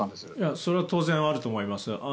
それは当然あると思います。